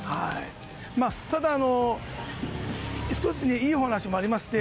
ただ、少しいいお話もありまして。